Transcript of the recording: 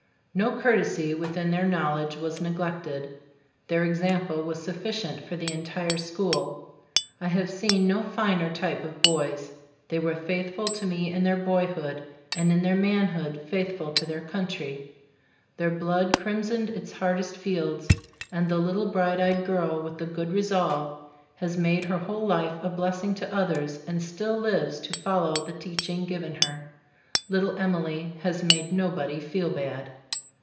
No cour tesy within their knowledge was neg lected. Their example was sufficient for the entire school. I have seen no finer type of boys. They were faith ful to me in their boyhood, and in their manhood faithful to their coun try. Their blood crimsoned its hard est fields, and the little bright eyed girl with the good resolve, has made her whole life a blessing to others, and still lives to follow the teaching i*> Vbc Stor* of A? CbUMxwd given her. Little Emily has "made nobody feel bad."